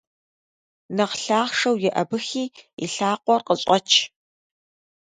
Нэхъ лъахъшэу еӀэбыхи и лъакъуэр къыщӀэч!